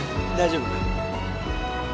大丈夫。